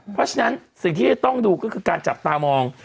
เพราะฉะนั้นสิ่งที่จะต้องดูก็คือการจับตามอง